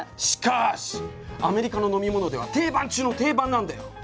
しかしアメリカの飲み物では定番中の定番なんだよ。